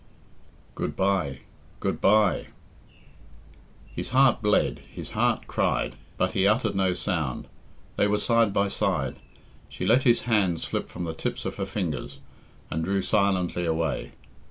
Good bye!... Good bye!" His heart bled, his heart cried, but he uttered no sound. They were side by side. She let his hand slip from the tips of her fingers, and drew silently away.